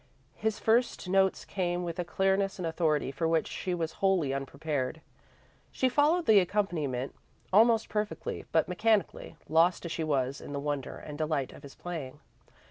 His first notes came with a clearness and authority for which she was wholly unprepared. She followed the accompaniment almost perfectly, but mechanically, lost as she was in the wonder and delight of his playing.